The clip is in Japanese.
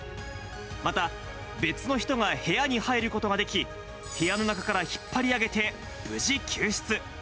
また、別の人が部屋に入ることができ、部屋の中から引っ張り上げて、無事救出。